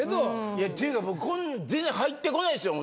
いやっていうか僕全然入って来ないですよ。